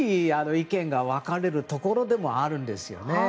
意見が分かれるところでもあるんですよね。